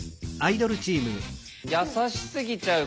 「優しすぎちゃうから」。